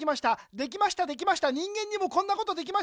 できましたできました人間にもこんなことできました。